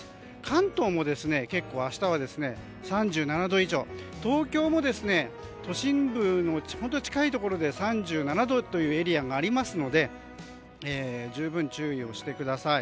関東も結構、明日は３７度以上で東京も都心部の近いところで３７度というエリアがありますので十分注意をしてください。